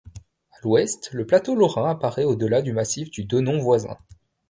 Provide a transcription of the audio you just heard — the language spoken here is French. À l'ouest, le plateau lorrain apparaît au-delà du massif du Donon voisin.